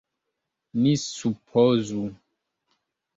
Ni supozu!